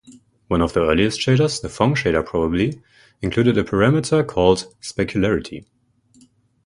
One of the earliest shaders, the "Phong" shader probably, included a parameter called "Specularity".